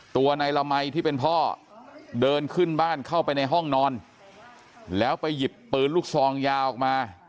ตัวนายละมัยที่เป็นพ่อเดินขึ้นบ้านเข้าไปในห้องนอนแล้วไปหยิบปืนลูกซองยาวออกมา